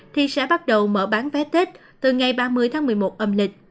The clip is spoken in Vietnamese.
thì sẽ bắt đầu mở bán vé tết từ ngày ba mươi tháng một mươi một âm lịch